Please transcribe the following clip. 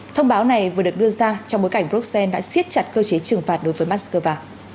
thông báo này vừa được đưa ra trong bối cảnh bruxelles đã siết chặt cơ chế trừng phạt đối với moscow